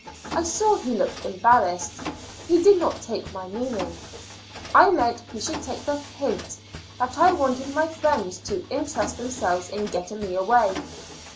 I saw he looked embarrassed ; he did not take my meaning. I meant he should take the hint, that I wanted my friends to interest themselves in getting me away.